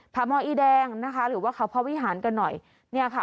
าหมออีแดงนะคะหรือว่าเขาพระวิหารกันหน่อยเนี่ยค่ะ